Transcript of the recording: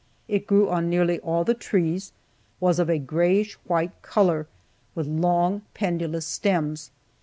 It grew on nearly all the trees, was of a grayish white color, with long, pendulous stems.